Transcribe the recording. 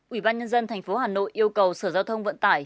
ủy ban nhân dân tp hà nội yêu cầu sở giao thông vận tải